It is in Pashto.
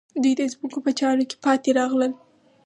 دوی د ځمکو په چارو کې پاتې راغلل.